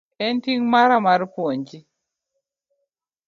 En ting' mara mar puonji.